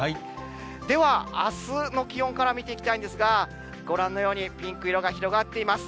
では、あすの気温から見ていきたいんですが、ご覧のように、ピンク色が広がっています。